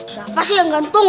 siapa sih yang gantung